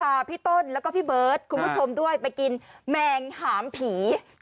พาพี่ต้นแล้วก็พี่เบิร์ตคุณผู้ชมด้วยไปกินแมงหามผี